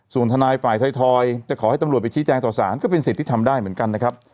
ส่วนทนายฝ่ายไทยทอยจะขอให้ตำรวจไปชี้แจงต่อสารก็เป็นสิทธิ์ที่ทำได้เหมือนกันนะครับ